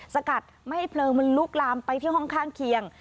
สกัดไม่ให้เพลิงมันลุกลามไปที่ห้องข้างเคียง